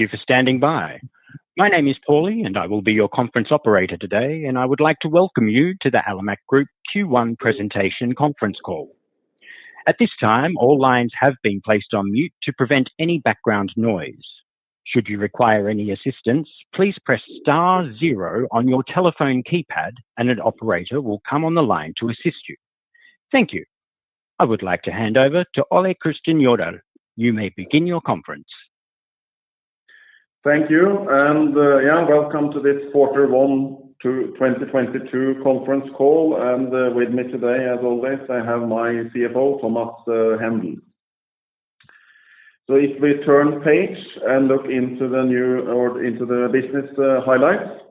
Thank you for standing by. My name is Paulie, and I will be your conference operator today. I would like to welcome you to the Alimak Group Q1 presentation conference call. At this time, all lines have been placed on mute to prevent any background noise. Should you require any assistance, please press star zero on your telephone keypad and an operator will come on the line to assist you. Thank you. I would like to hand over to Ole Kristian Jødahl. You may begin your conference. Thank you. Welcome to this Q1 2022 conference call. With me today, as always, I have my CFO, Thomas Hendel. If we turn the page and look into the business highlights.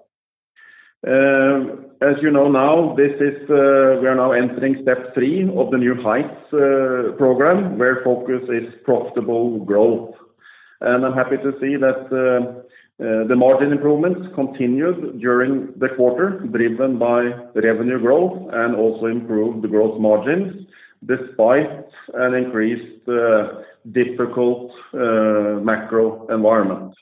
As you know, we are now entering step 3 of the New Heights program, where the focus is profitable growth. I'm happy to see that the margin improvements continued during the quarter, driven by revenue growth and also improved gross margins despite an increasingly difficult macro environment.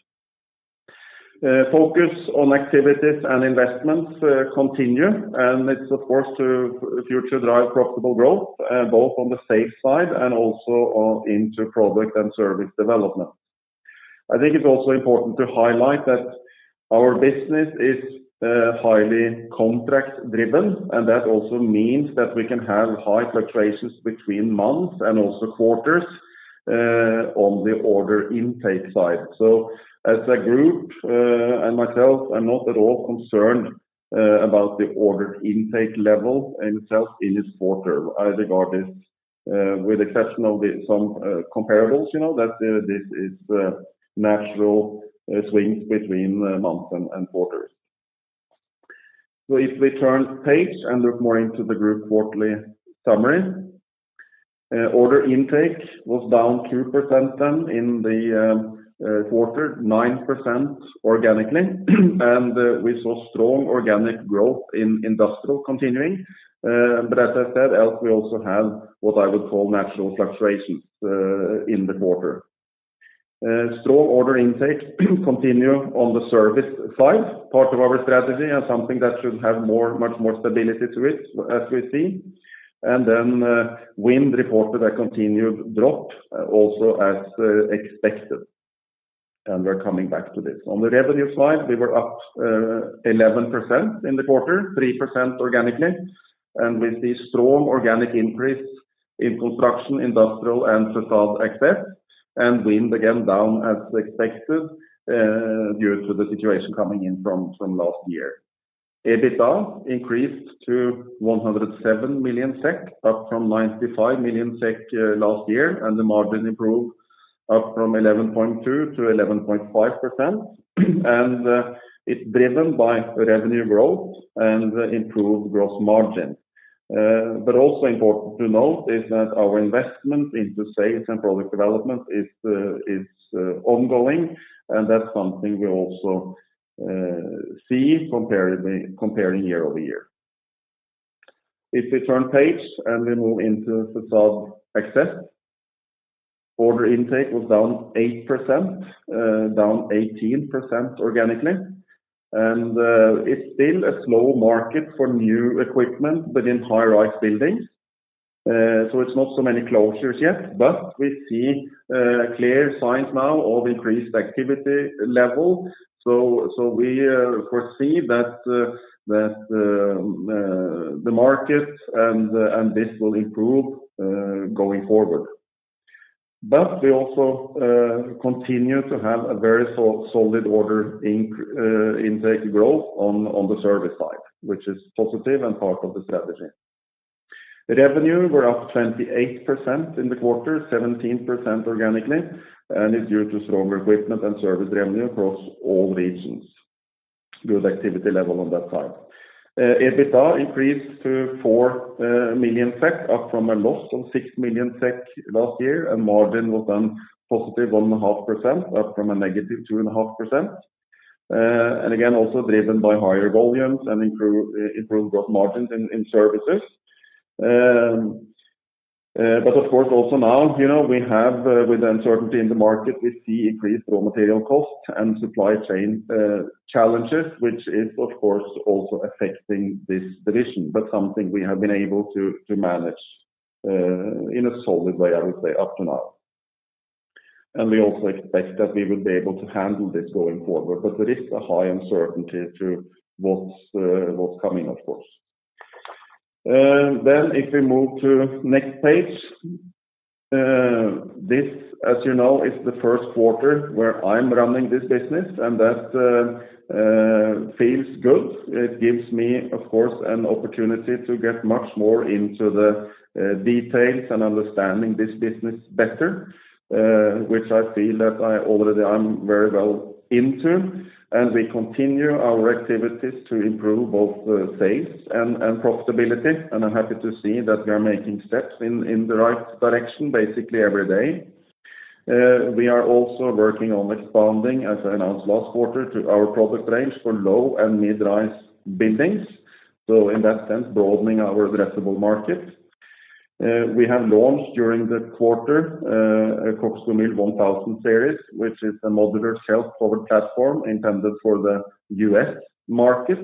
Focus on activities and investments continues and it's of course to further drive profitable growth both on the sales side and also into product and service development. I think it's also important to highlight that our business is highly contract driven, and that also means that we can have high fluctuations between months and also quarters on the order intake side. As a group, and myself, I'm not at all concerned about the order intake level itself in this quarter. I regard this, with the exception of some comparables, you know, that this is natural swings between months and quarters. If we turn the page and look more into the Group quarterly summary. Order intake was down 2% in the quarter, 9% organically. We saw strong organic growth in Industrial, continuing. As I said, otherwise we also have what I would call natural fluctuations in the quarter. Strong order intake continue on the service side, part of our strategy and something that should have more, much more stability to it as we see. Wind reported a continued drop also as expected. We're coming back to this. On the revenue slide, we were up 11% in the quarter, 3% organically. With the strong organic increase in construction, industrial and Facade Access and wind again down as expected, due to the situation coming in from last year. EBITDA increased to 107 million SEK, up from 95 million SEK last year, and the margin improved up from 11.2%-11.5%. It's driven by revenue growth and improved gross margin. also important to note is that our investment into sales and product development is ongoing, and that's something we also see comparing year-over-year. If we turn page and we move into Facade Access. Order intake was down 8%, down 18% organically. it's still a slow market for new equipment within high-rise buildings, so it's not so many closures yet, but we see clear signs now of increased activity level. we foresee that the market and this will improve going forward. we also continue to have a very solid order intake growth on the service side, which is positive and part of the strategy. Revenue were up 28% in the quarter, 17% organically, and is due to stronger equipment and service revenue across all regions. Good activity level on that side. EBITDA increased to 4 million SEK, up from a loss of 6 million SEK last year, and margin was then positive 1.5%, up from a negative 2.5%. And again, also driven by higher volumes and improved growth margins in services. But of course, also now, you know, we have, with the uncertainty in the market, we see increased raw material costs and supply chain challenges, which is of course also affecting this division, but something we have been able to manage in a solid way, I would say, up to now. We also expect that we will be able to handle this going forward. There is a high uncertainty to what's coming, of course. If we move to next page. This, as you know, is the Q1 where I'm running this business and that feels good. It gives me, of course, an opportunity to get much more into the details and understanding this business better, which I feel that I already am very well into. We continue our activities to improve both sales and profitability. I'm happy to see that we are making steps in the right direction basically every day. We are also working on expanding, as I announced last quarter, to our product range for low and mid-rise buildings. In that sense, broadening our addressable market. We have launched during the quarter a CoxGomyl 1000 Series, which is a modular self-powered platform intended for the U.S. market.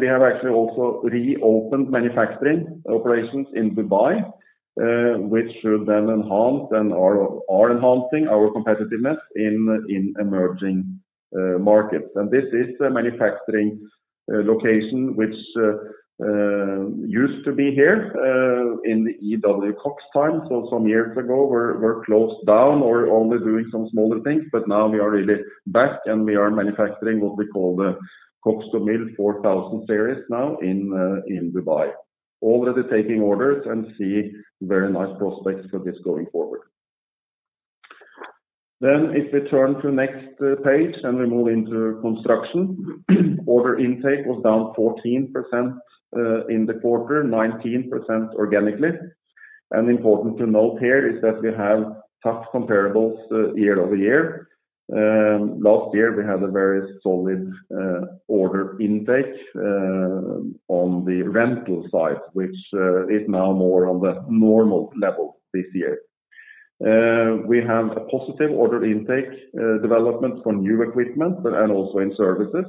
We have actually also reopened manufacturing operations in Dubai, which should then enhance and are enhancing our competitiveness in emerging markets. This is a manufacturing location which used to be here in the old Cox times. Some years ago, were closed down. We're only doing some smaller things, but now we are really back, and we are manufacturing what we call the CoxGomyl 4000 Series now in Dubai. Already taking orders and we see very nice prospects for this going forward. If we turn to next page and we move into construction. Order intake was down 14% in the quarter, 19% organically. Important to note here is that we have tough comparables year-over-year. Last year, we had a very solid order intake on the rental side, which is now more on the normal level this year. We have a positive order intake development for new equipment, and also in services.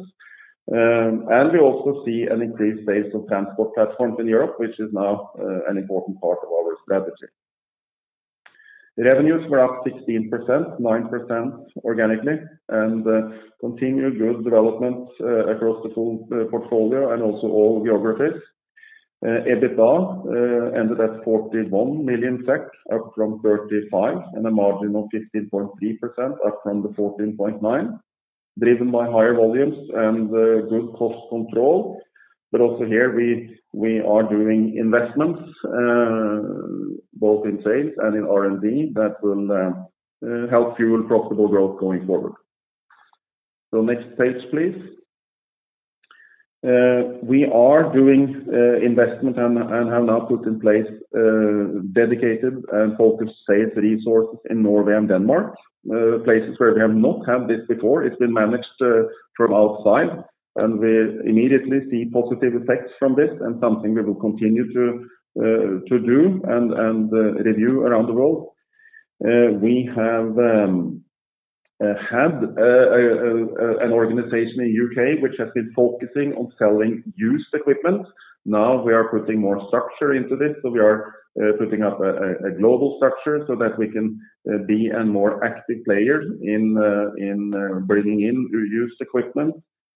We also see an increased base of transport platforms in Europe, which is now an important part of our strategy. The revenues were up 16%, 9% organically, and continued good development across the full portfolio and also all geographies. EBITDA ended at 41 million SEK, up from 35 million SEK, and a margin of 15.3%, up from 14.9%, driven by higher volumes and good cost control. Also here we are doing investments both in sales and in R&D that will help fuel profitable growth going forward. Next page, please. We are doing investment and have now put in place dedicated and focused sales resources in Norway and Denmark, places where we have not had this before. It's been managed from outside, and we immediately see positive effects from this and something we will continue to do and review around the world. We have had an organization in UK which has been focusing on selling used equipment. Now we are putting more structure into this. We are putting up a global structure so that we can be a more active player in bringing in used equipment,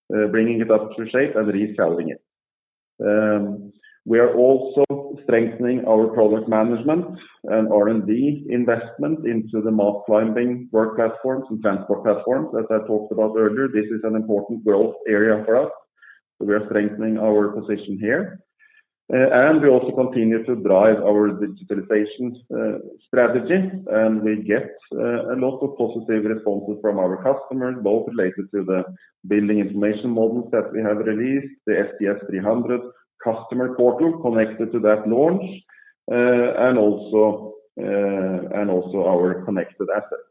bringing it up to shape and reselling it. We are also strengthening our product management and R&D investment into the mast climbing work platforms and transport platforms. As I talked about earlier, this is an important growth area for us, so we are strengthening our position here. We also continue to drive our digitalization strategy, and we get a lot of positive responses from our customers, both related to the building information models that we have released, the SPS 300 customer portal connected to that launch, and also our connected assets.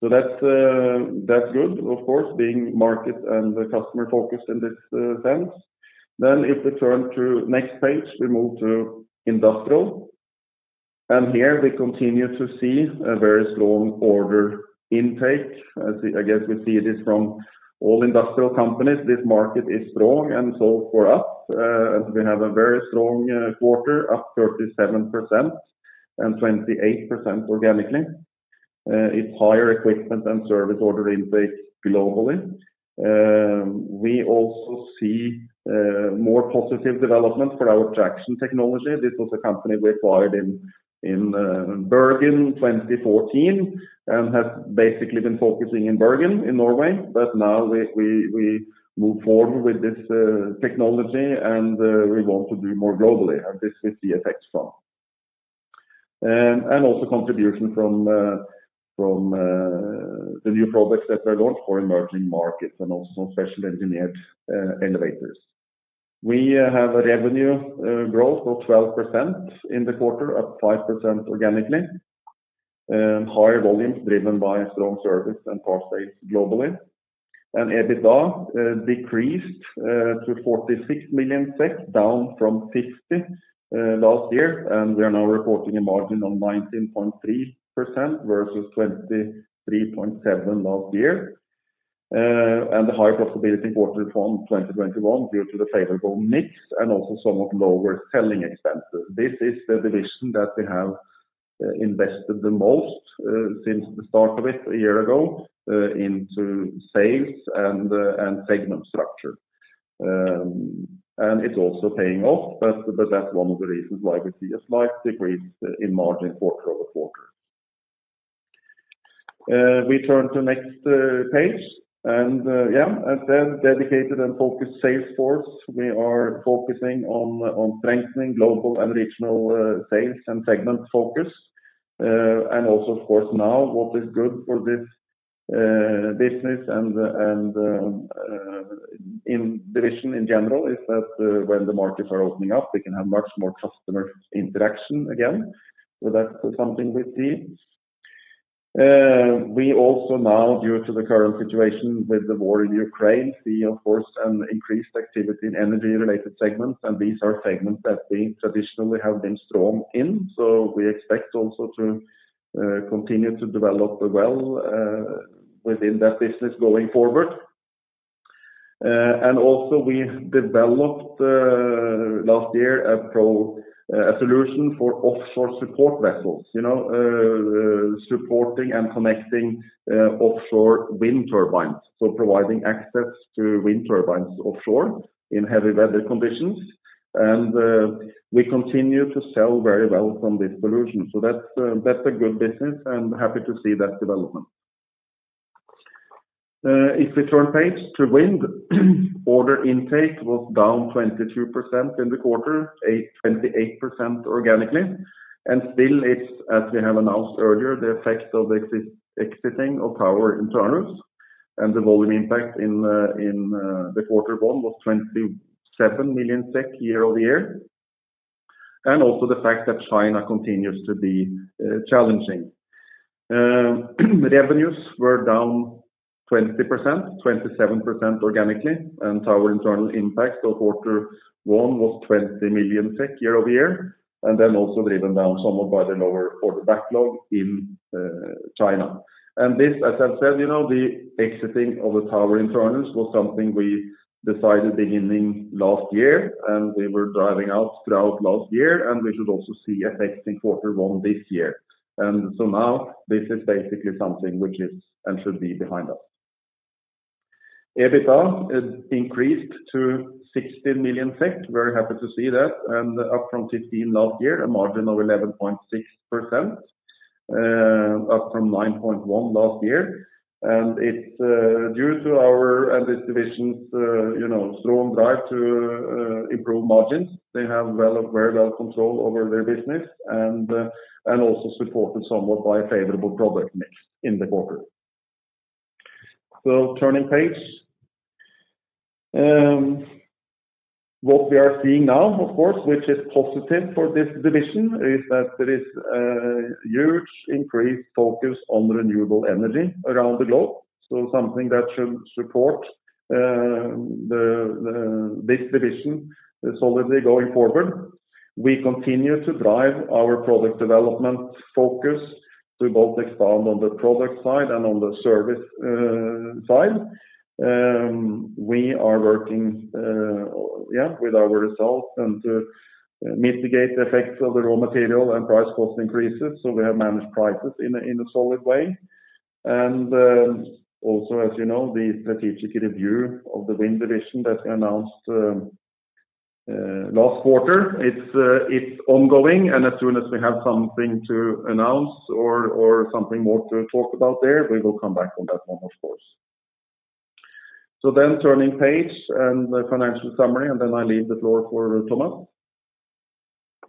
That's good, of course, being market and customer focused in this sense. If we turn to next page, we move to industrial. Here we continue to see a very strong order intake. As I guess we see this from all industrial companies. This market is strong and so for us, as we have a very strong quarter, up 37% and 28% organically. It's higher equipment and service order intake globally. We also see more positive developments for our traction technology. This was a company we acquired in Bergen 2014 and has basically been focusing in Bergen in Norway. Now we move forward with this technology, and we want to do more globally, and this we see effects from. Also contribution from the new products that were launched for emerging markets and also special engineered innovations. We have a revenue growth of 12% in the quarter, up 5% organically. Higher volumes driven by strong service and core sales globally. EBITDA decreased to 46 million, down from 50 million last year. We are now reporting a margin of 19.3% versus 23.7% last year. The highly profitable quarter from 2021 due to the favorable mix and also somewhat lower selling expenses. This is the division that we have invested the most since the start of it a year ago into sales and segment structure. It's also paying off, but that's one of the reasons why we see a slight decrease in margin quarter-over-quarter. We turn to next page, and then dedicated and focused sales force. We are focusing on strengthening global and regional sales and segment focus. Also of course now what is good for this business and in division in general is that when the markets are opening up, we can have much more customer interaction again. That's something we see. We also now, due to the current situation with the war in Ukraine, see of course an increased activity in energy-related segments, and these are segments that we traditionally have been strong in. We expect also to continue to develop well within that business going forward. We developed last year a solution for offshore support vessels, you know, supporting and connecting offshore wind turbines. Providing access to wind turbines offshore in heavy weather conditions, and we continue to sell very well from this solution. That's a good business, and happy to see that development. If we turn the page to wind. Order intake was down 22% in the quarter, 28% organically. Still it's, as we have announced earlier, the effect of exiting of tower in Tarnów, and the volume impact in the quarter one was 27 million SEK year-over-year. The fact that China continues to be challenging. Revenues were down 20%, 27% organically, and tower internals impact of quarter one was 20 million SEK year-over-year. Also driven down somewhat by the lower order backlog in China. This, as I said, you know, the exiting of the tower in Tarnów was something we decided beginning last year, and we were driving out throughout last year, and we should also see affecting quarter one this year. Now this is basically something which is, and should be behind us. EBITDA increased to 60 million SEK. Very happy to see that and up from 15 million last year, a margin of 11.6%, up from 9.1% last year. It's due to our and this division's, you know, strong drive to improve margins. They have very well control over their business and also supported somewhat by a favorable product mix in the quarter. Turning page. What we are seeing now, of course, which is positive for this division, is that there is a huge increased focus on renewable energy around the globe. Something that should support this division solidly going forward. We continue to drive our product development focus to both expand on the product side and on the service side. We are working with our results and to mitigate the effects of the raw material and price cost increases. We have managed prices in a solid way. Also, as you know, the strategic review of the wind division that we announced last quarter, it's ongoing and as soon as we have something to announce or something more to talk about there, we will come back on that one, of course. Turning page and the financial summary, and then I leave the floor for Thomas Hendel.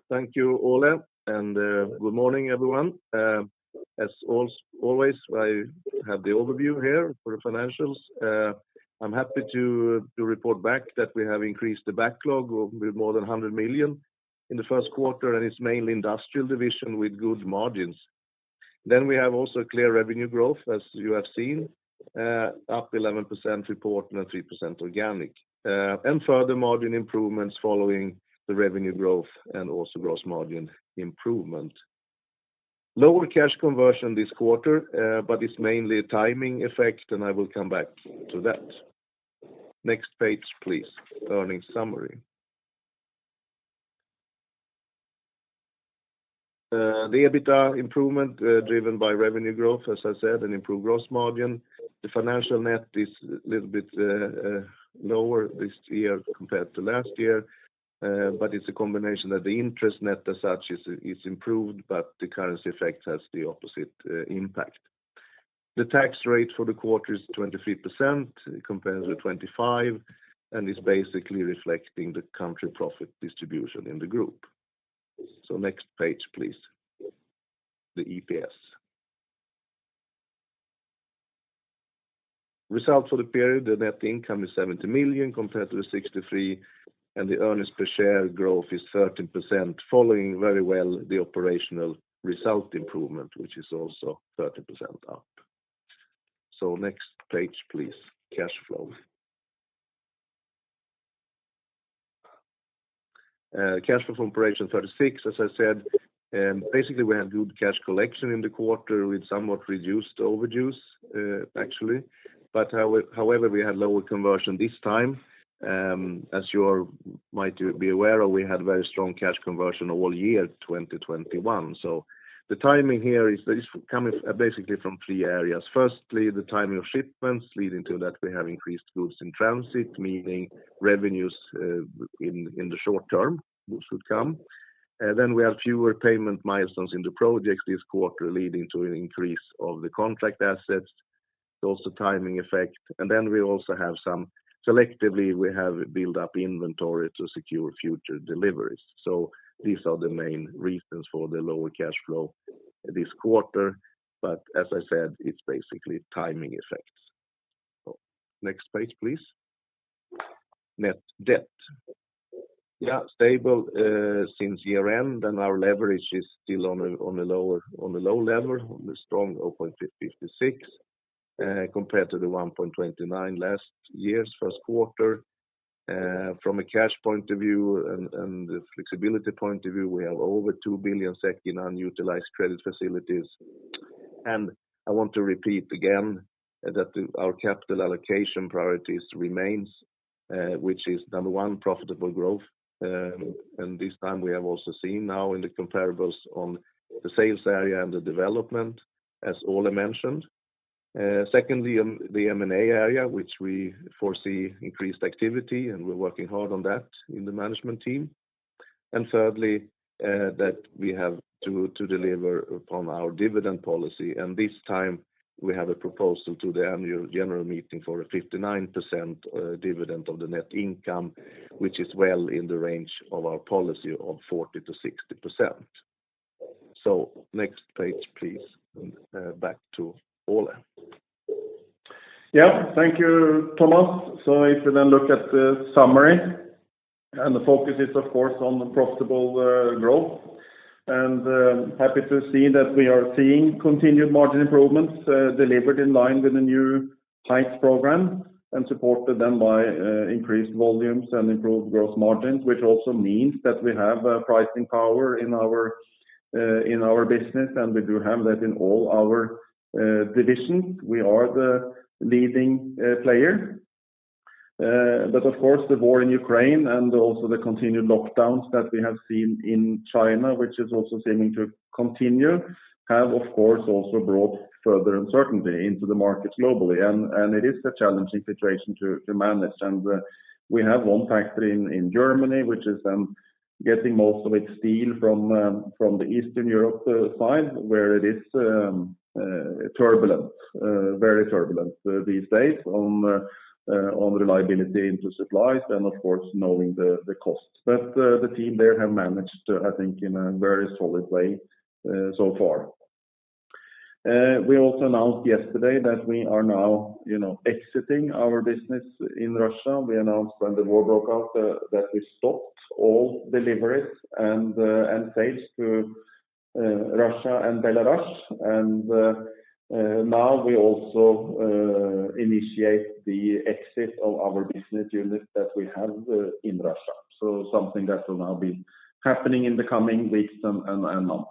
Thank you, Ole, and good morning, everyone. As always, I have the overview here for the financials. I'm happy to report back that we have increased the backlog with more than 100 million in the Q1, and it's mainly industrial division with good margins. We have also clear revenue growth, as you have seen, up 11% reported and 3% organic, and further margin improvements following the revenue growth and also gross margin improvement. Lower cash conversion this quarter, but it's mainly a timing effect, and I will come back to that. Next page, please. Earnings summary. The EBITDA improvement, driven by revenue growth, as I said, and improved gross margin. The financial net is a little bit lower this year compared to last year, but it's a combination that the interest net as such is improved, but the currency effect has the opposite impact. The tax rate for the quarter is 23% compared with 25%, and is basically reflecting the country profit distribution in the group. Next page, please. The EPS results for the period. The net income is 70 million compared to 63 million, and the earnings per share growth is 13%, following very well the operational result improvement, which is also 13% up. Next page, please. Cash flow. Cash flow from operations 36 million, as I said, basically we had good cash collection in the quarter with somewhat reduced overages, actually. However, we had lower conversion this time. As you might be aware, we had very strong cash conversion all year 2021. The timing here is coming basically from three areas. Firstly, the timing of shipments leading to that we have increased goods in transit, meaning revenues in the short term should come. Then we have fewer payment milestones in the projects this quarter, leading to an increase of the contract assets. It's also timing effect. Selectively, we have built up inventory to secure future deliveries. These are the main reasons for the lower cash flow this quarter. As I said, it's basically timing effects. Next page, please. Net debt. Stable since year-end, and our leverage is still on a low level, at a strong 0.56 compared to the 1.29 last year's Q1. From a cash point of view and the flexibility point of view, we have over 2 billion SEK in unutilized credit facilities. I want to repeat again that our capital allocation priorities remains, which is number one, profitable growth. This time we have also seen now in the comparables on the sales area and the development as Ole mentioned. Secondly, the M&A area, which we foresee increased activity, and we're working hard on that in the management team. Thirdly, that we have to deliver upon our dividend policy. This time we have a proposal to the annual general meeting for a 59% dividend of the net income, which is well in the range of our policy of 40%-60%. Next page, please, and back to Ole. Yeah. Thank you, Thomas. If you then look at the summary, and the focus is of course on the profitable growth. Happy to see that we are seeing continued margin improvements delivered in line with the New Heights program and supported then by increased volumes and improved growth margins, which also means that we have pricing power in our business, and we do have that in all our divisions. We are the leading player. Of course, the war in Ukraine and also the continued lockdowns that we have seen in China, which is also seeming to continue, have of course also brought further uncertainty into the markets globally. It is a challenging situation to manage. We have one factory in Germany, which is getting most of its steel from the Eastern Europe side, where it is turbulent, very turbulent these days on reliability of supplies and of course knowing the cost. The team there have managed, I think in a very solid way, so far. We also announced yesterday that we are now you know exiting our business in Russia. We announced when the war broke out that we stopped all deliveries and sales to Russia and Belarus. Now we also initiate the exit of our business unit that we have in Russia. Something that will now be happening in the coming weeks and months.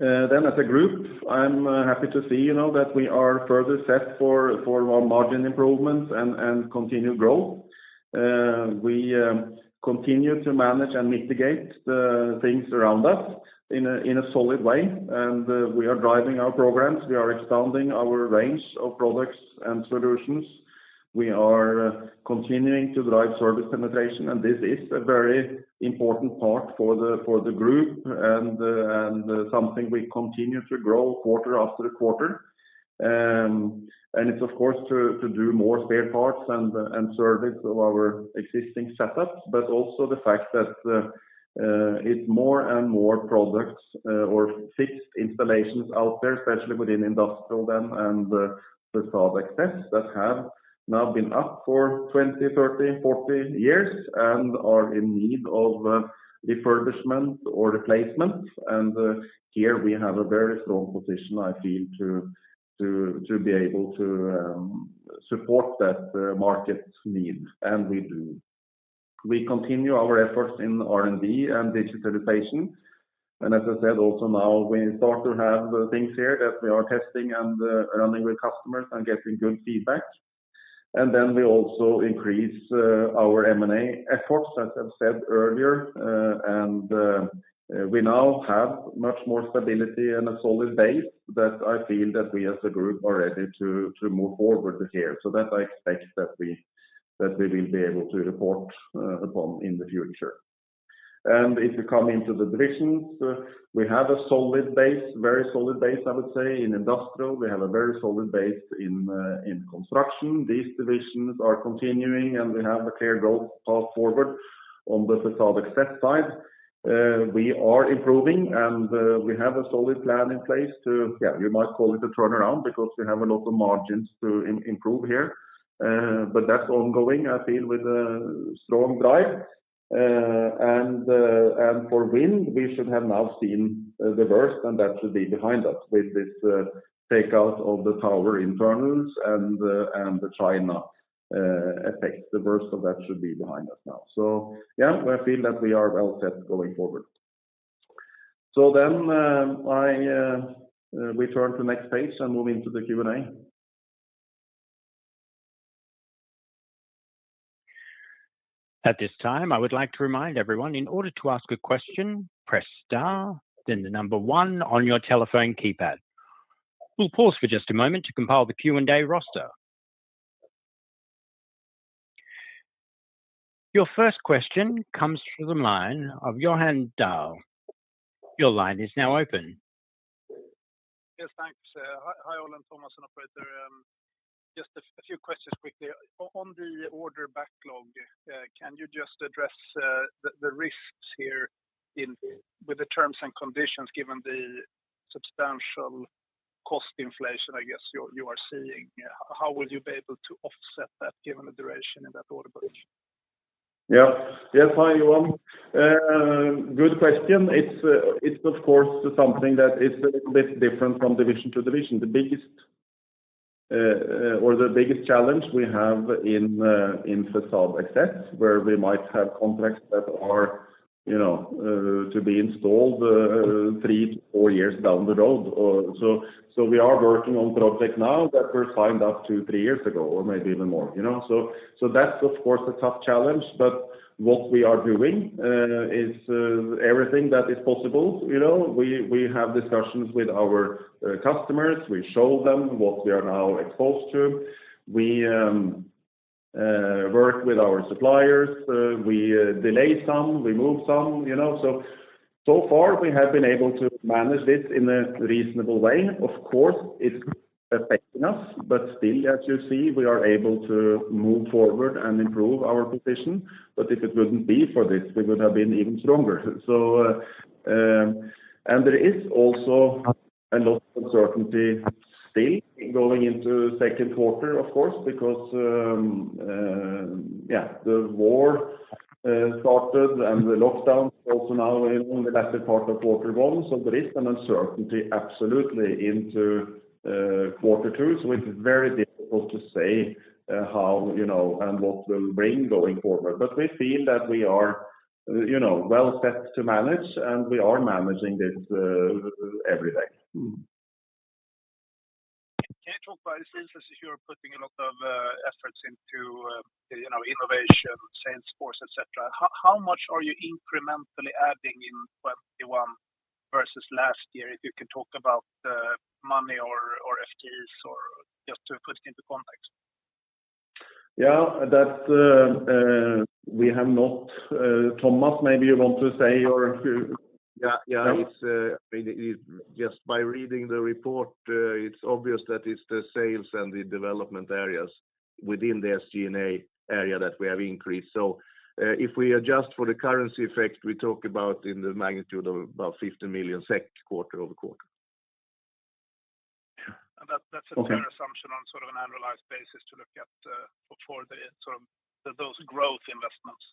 As a group, I'm happy to see, you know, that we are further set for more margin improvements and continued growth. We continue to manage and mitigate the things around us in a solid way. We are driving our programs. We are expanding our range of products and solutions. We are continuing to drive service penetration, and this is a very important part for the group and something we continue to grow quarter after quarter. It's of course to do more spare parts and service of our existing setups, but also the fact that it's more and more products or fixed installations out there, especially within industrial and the Facade Access that have now been up for 20, 30, 40 years and are in need of refurbishment or replacement. Here we have a very strong position, I feel, to be able to support that market need, and we do. We continue our efforts in R&D and digitalization. As I said, also now we start to have things here that we are testing and running with customers and getting good feedback. We also increase our M&A efforts, as I've said earlier. We now have much more stability and a solid base that I feel that we as a group are ready to move forward here. I expect that we will be able to report upon in the future. If you come into the divisions, we have a solid base, very solid base, I would say, in industrial. We have a very solid base in construction. These divisions are continuing, and we have a clear growth path forward. On the facade access side, we are improving, and we have a solid plan in place to, yeah, we might call it a turnaround because we have a lot of margins to improve here. That's ongoing, I feel, with a strong drive. For wind, we should have now seen the worst, and that should be behind us with this takeout of the tower internals and the China effect. The worst of that should be behind us now. Yeah, I feel that we are well set going forward. I return to next page and move into the Q&A. At this time, I would like to remind everyone in order to ask a question, press star then the number one on your telephone keypad. We'll pause for just a moment to compile the Q&A roster. Your first question comes through the line of Johan Dahl. Your line is now open. Yes, thanks. Hi, Ole and Thomas and operator. Just a few questions quickly. On the order backlog, can you just address the risk- With the terms and conditions, given the substantial cost inflation, I guess you're seeing how will you be able to offset that given the duration in that order book? Yes. Hi, Johan. Good question. It's of course something that is a little bit different from division to division. The biggest challenge we have in Facade Access, where we might have contracts that are, you know, to be installed three-four years down the road. We are working on projects now that were signed up to three years ago or maybe even more, you know. That's of course a tough challenge, but what we are doing is everything that is possible, you know. We have discussions with our customers. We show them what we are now exposed to. We work with our suppliers. We delay some, we move some, you know. So far we have been able to manage this in a reasonable way. Of course, it's affecting us, but still, as you see, we are able to move forward and improve our position. If it wouldn't be for this, we would have been even stronger. There is also a lot of uncertainty still going into second quarter, of course, because the war started and the lockdown also now in the latter part of quarter one. There is an uncertainty absolutely into quarter two. It's very difficult to say how, you know, and what will bring going forward. We feel that we are, you know, well set to manage, and we are managing this every day. Can I talk about sales, as you're putting a lot of efforts into, you know, innovation, sales force, et cetera. How much are you incrementally adding in 2021 versus last year? If you can talk about money or FTEs or just to put it into context. Yeah. That we have not. Thomas, maybe you want to say or you- Yeah. It's just by reading the report, it's obvious that it's the sales and the development areas within the SG&A area that we have increased. If we adjust for the currency effect, we talk about in the magnitude of about 50 million SEK quarter-over-quarter. Yeah. Okay a fair assumption on sort of an annualized basis to look at, for the sort of those growth investments.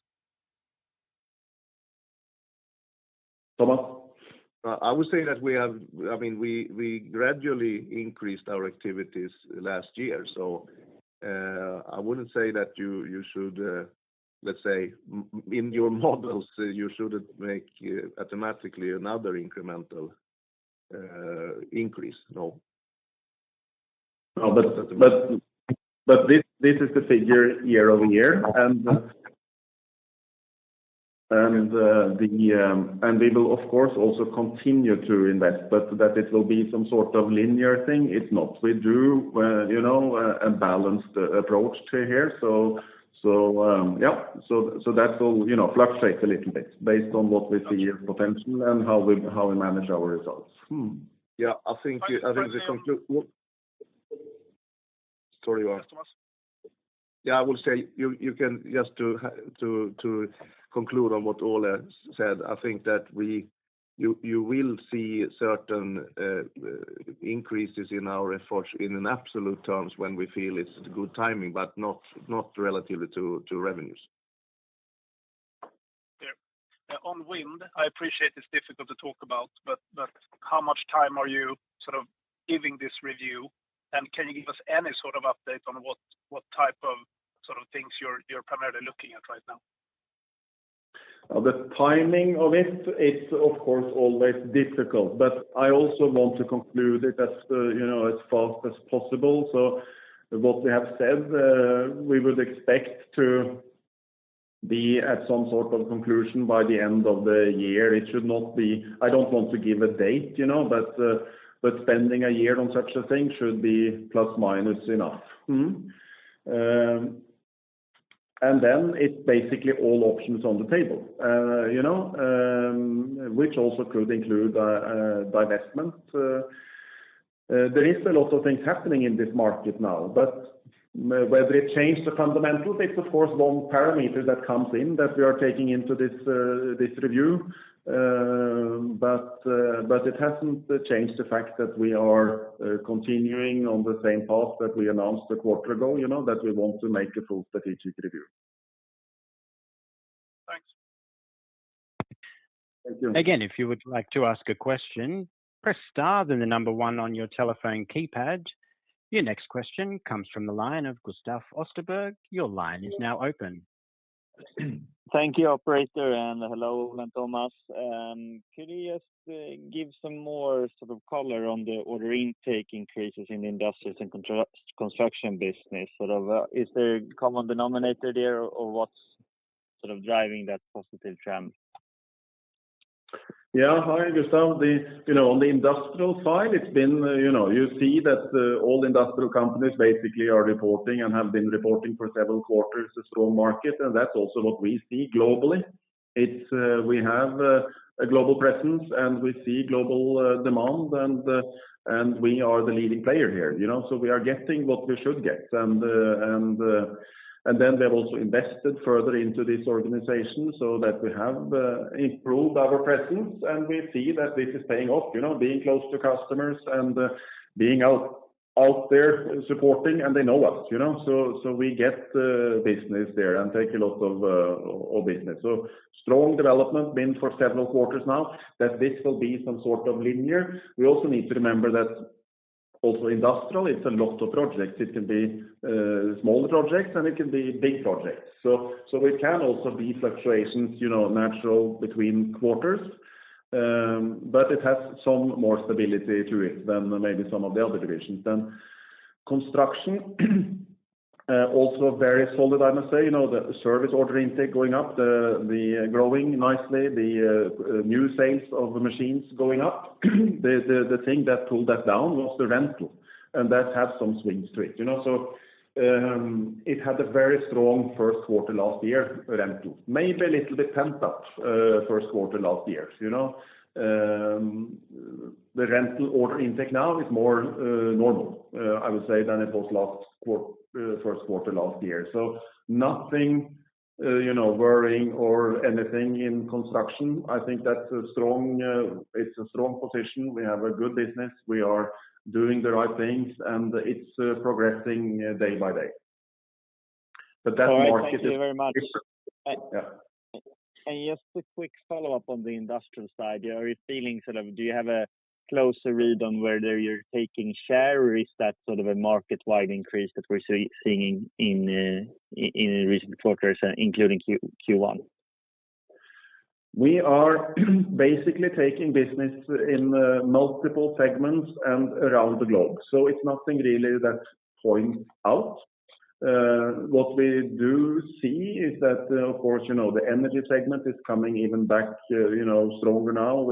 Thomas? I would say that we have, I mean, we gradually increased our activities last year. I wouldn't say that you should, let's say, in your models, you shouldn't make automatically another incremental increase. No. No, this is the figure year-over-year and we will of course also continue to invest, but that it will be some sort of linear thing. It's not. We do you know a balanced approach thereto. That will you know fluctuate a little bit based on what we see as potential and how we manage our results. Yeah, I think. Thomas? Sorry, Johan. Thomas. Yeah, I will say, you can just to conclude on what Ole said. I think that you will see certain increases in our efforts in absolute terms when we feel it's good timing, but not relative to revenues. Yeah. On wind, I appreciate it's difficult to talk about, but how much time are you sort of giving this review? Can you give us any sort of update on what type of sort of things you're primarily looking at right now? The timing of it's of course always difficult, but I also want to conclude it as, you know, as fast as possible. What we have said, we would expect to be at some sort of conclusion by the end of the year. It should not be. I don't want to give a date, you know, but spending a year on such a thing should be ± enough. It's basically all options on the table, you know, which also could include divestment. There is a lot of things happening in this market now, but whether it change the fundamental, it's of course long parameter that comes in that we are taking into this review. It hasn't changed the fact that we are continuing on the same path that we announced a quarter ago, you know, that we want to make a full strategic review. Thanks. Thank you. Again, if you would like to ask a question, press star, then the number one on your telephone keypad. Your next question comes from the line of Gustaf Österberg. Your line is now open. Thank you, operator. Hello Ole and Thomas. Could you just give some more sort of color on the order intake increases in the industrials and construction business? Sort of, is there a common denominator there or what's sort of driving that positive trend? Yeah. Hi, Gustaf. You know, on the industrial side, it's been, you know, you see that all industrial companies basically are reporting and have been reporting for several quarters a strong market, and that's also what we see globally. It's we have a global presence, and we see global demand, and we are the leading player here, you know? We are getting what we should get. Then we have also invested further into this organization so that we have improved our presence. We see that this is paying off, you know, being close to customers and being out there supporting, and they know us, you know? So we get business there and take a lot of business. Strong development been for several quarters now, that this will be some sort of linear. We also need to remember that also industrial, it's a lot of projects. It can be smaller projects, and it can be big projects. It can also be fluctuations, you know, natural between quarters. It has some more stability to it than maybe some of the other divisions. Construction also very solid, I must say. You know, the service order intake going up, the growing nicely, the new sales of the machines going up. The thing that pulled that down was the rental, and that had some swings to it, you know. It had a very strong Q1 last year, rental. Maybe a little bit pent up first quarter last year, you know. The rental order intake now is more normal, I would say, than it was first quarter last year. Nothing, you know, worrying or anything in construction. I think that's a strong position. We have a good business. We are doing the right things, and it's progressing day by day. That market is. All right. Thank you very much. Yeah. Just a quick follow-up on the industrial side. Are you feeling sort of, do you have a closer read on whether you're taking share, or is that sort of a market-wide increase that we're seeing in recent quarters, including Q1? We are basically taking business in multiple segments and around the globe, so it's nothing really that points out. What we do see is that, of course, you know, the energy segment is coming back even stronger now.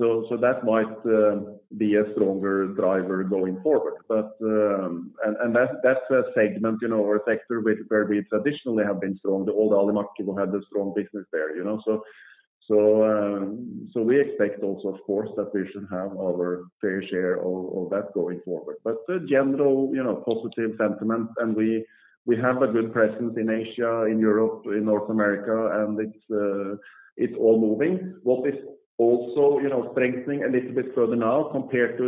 That might be a stronger driver going forward. That's a segment, you know, or a sector where we traditionally have been strong. The old Alimak people had a strong business there, you know. We expect also of course that we should have our fair share of that going forward. The general, you know, positive sentiment, and we have a good presence in Asia, in Europe, in North America, and it's all moving. What is also, you know, strengthening a little bit further now compared to,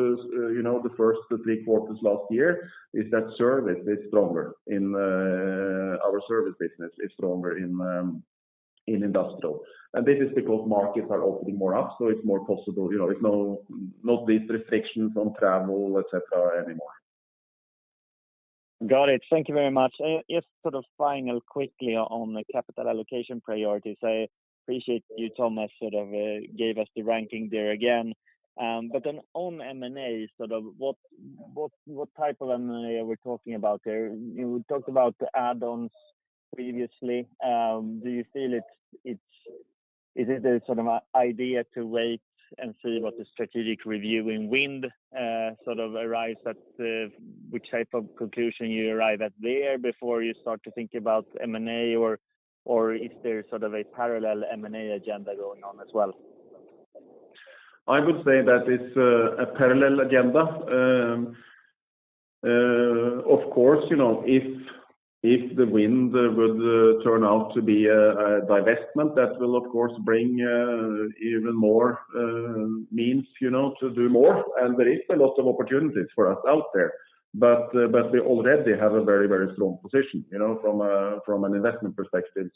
you know, the first three quarters last year is that our service business is stronger in industrial. This is because markets are opening more up, so it's more possible. You know, it's not these restrictions on travel, et cetera, anymore. Got it. Thank you very much. Just sort of final quickly on the capital allocation priorities. I appreciate you, Thomas, sort of gave us the ranking there again. On M&A, sort of what type of M&A are we talking about there? You talked about add-ons previously. Do you feel it's the sort of idea to wait and see what the strategic review in Wind sort of arrives at, which type of conclusion you arrive at there before you start to think about M&A, or is there sort of a parallel M&A agenda going on as well? I would say that it's a parallel agenda. Of course, you know, if the Wind would turn out to be a divestment, that will of course bring even more means, you know, to do more. There is a lot of opportunities for us out there. We already have a very strong position, you know, from an investment perspective.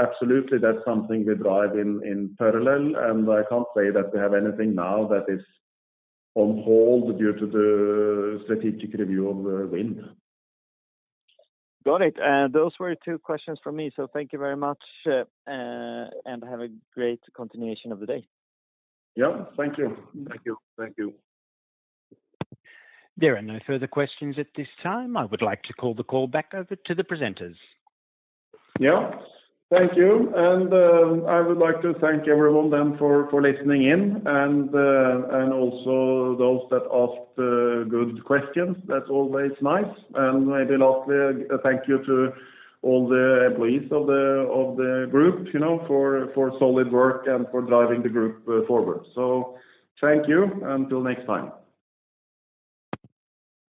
Absolutely that's something we drive in parallel, and I can't say that we have anything now that is on hold due to the strategic review of Wind. Got it. Those were two questions from me, so thank you very much. Have a great continuation of the day. Yeah. Thank you. Thank you. Thank you. There are no further questions at this time. I would like to call the call back over to the presenters. Yeah. Thank you. I would like to thank everyone then for listening in and also those that asked good questions. That's always nice. Maybe lastly, a thank you to all the employees of the group, you know, for solid work and for driving the group forward. Thank you. Until next time.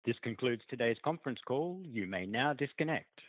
This concludes today's conference call. You may now disconnect.